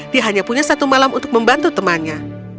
dia hanya punya satu malam untuk membantu temannya